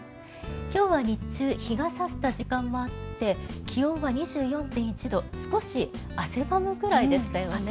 今日は日中日が差した時間もあって気温は２４．１度少し汗ばむくらいでしたよね。